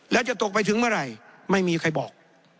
แล้วจะตกไปถึงเมื่อไหร่ไม่มีใครบอก